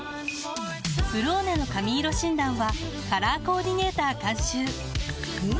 「ブローネ」の髪色診断はカラーコーディネーター監修おっ！